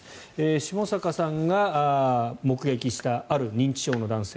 下坂さんが目撃したある認知症の男性。